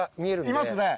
いますね。